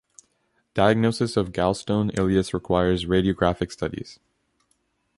Diagnosis of gallstone ileus requires radiographic studies.